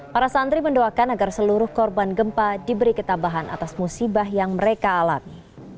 para santri mendoakan agar seluruh korban gempa diberi ketabahan atas musibah yang mereka alami